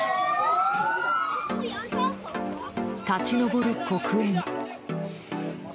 立ち上る黒煙。